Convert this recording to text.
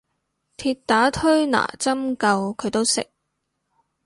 鐵打推拿針灸佢都識